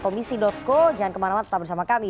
komisi co jangan kemarauan tetap bersama kami